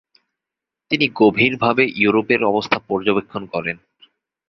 তিনি গভীরভাবে ইউরোপের অবস্থা পর্যবেক্ষণ করেন।